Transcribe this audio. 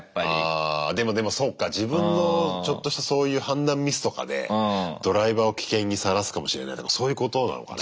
あでもでもそっか自分のちょっとしたそういう判断ミスとかでドライバーを危険にさらすかもしれないとかそういうことなのかね。